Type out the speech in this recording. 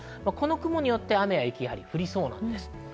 この雲によって、雨や雪が降りそうです。